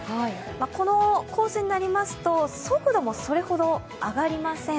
このコースになりますと、速度もそれほど上がりません。